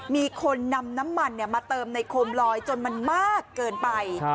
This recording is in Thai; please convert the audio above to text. มีคนนำน้ำมันมาเติมในโคมลอยจนมันมากเกินไป